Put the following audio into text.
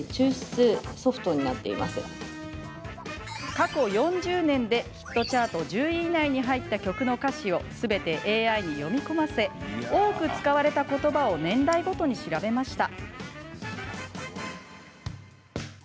過去４０年で、ヒットチャート１０位以内に入った曲の歌詞をすべてＡＩに読み込ませ多く使われた言葉を年代ごとに調べました。